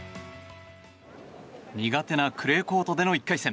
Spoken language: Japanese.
苦手なクレーコートでの１回戦。